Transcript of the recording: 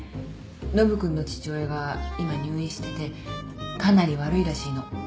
ノブ君の父親が今入院しててかなり悪いらしいの。